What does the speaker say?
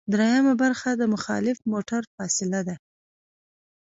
دریمه برخه د مخالف موټر فاصله ده